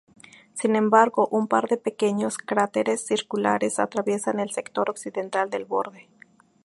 Sin embargo, un par de pequeños cráteres circulares atraviesan el sector occidental del borde.